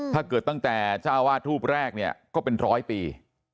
ถ้าเกิดตั้งแต่จ้าวาดรูปแรกเนี่ยก็เป็น๑๐๐ปี